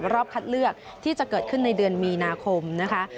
รอบคัดเลือกที่จะเกิดขึ้นในเดือนมีนาคมนะคะ